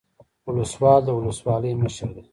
ولسوال د ولسوالۍ مشر دی